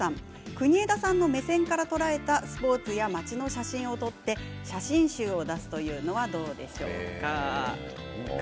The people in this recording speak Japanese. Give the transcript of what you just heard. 国枝さんの目線から捉えたスポーツや町の写真を撮って写真集を出すというのはどうでしょうか。